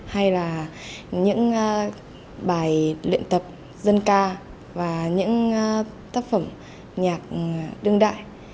hay là những bài luyện tập dân ca và những tác phẩm nhạc đương đại